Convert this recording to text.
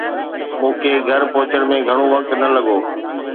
مون کي گهر پهچڻ ۾ گهڻو وقت نه لڳو